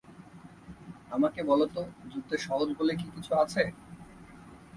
আমাকে বলো তো, যুদ্ধে সহজ বলে কি কিছু আছে?